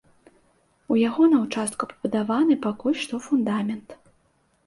У яго на ўчастку пабудаваны пакуль што фундамент.